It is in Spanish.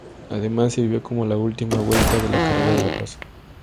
Además, sirvió como la última vuelta de la Carrera de la Paz.